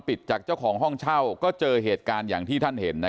จากเจ้าของห้องเช่าก็เจอเหตุการณ์อย่างที่ท่านเห็น